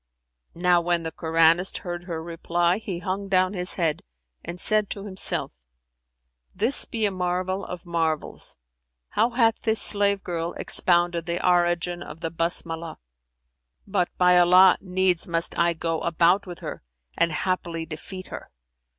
'" Now when the Koranist heard her reply, he hung down his head and said to himself, "This be a marvel of marvels! How hath this slave girl expounded the origin of the Basmalah? But, by Allah, needs must I go a bout with her and haply defeat her."